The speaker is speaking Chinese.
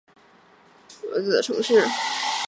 埃武拉是位于葡萄牙埃武拉区的城市。